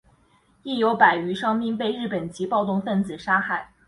亦有百余伤兵被日本籍暴动分子杀害。